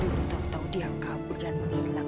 dulu tau tau dia kabur dan menghilang